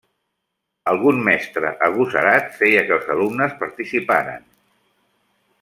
Algun mestre agosarat feia que els alumnes participaren-